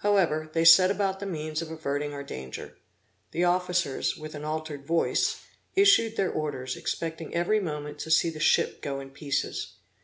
However, they set about the means of averting our danger. The officers, with an altered voice, issued their orders expecting every moment to see the ship go in pieces.